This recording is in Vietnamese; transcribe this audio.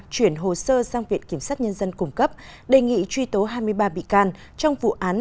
chuyển hồ sơ sang viện kiểm sát nhân dân cung cấp đề nghị truy tố hai mươi ba bị can trong vụ án